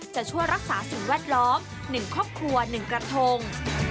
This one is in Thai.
จะช่วยรักษาสิ่งแวดล้อม๑ครอบครัว๑กระทง